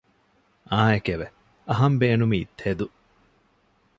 އާނއެކެވެ! އަހަން ބޭނުމީ ތެދު